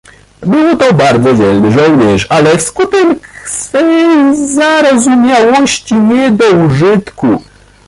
"Był to bardzo dzielny żołnierz, ale wskutek swej zarozumiałości nie do użytku."